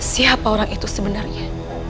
siapa orang itu sebenarnya